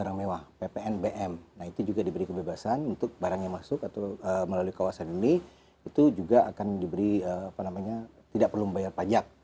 nah itu juga diberi kebebasan untuk barang yang masuk atau melalui kawasan ini itu juga akan diberi apa namanya tidak perlu membayar pajak